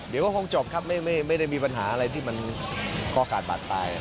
เดี๋ยวก็คงจบครับไม่ได้มีปัญหาอะไรที่มันคอขาดบาดตาย